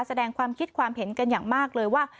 แสดงความคิดความเห็นกันอย่างมากเลยว่า